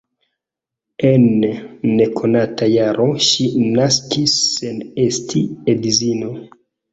En nekonata jaro ŝi naskis sen esti edzino.